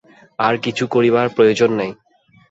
আর কিছু করিবার প্রয়োজন নাই।